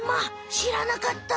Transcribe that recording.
しらなかった！